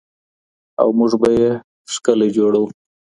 او موږ به یې ښکلی جوړو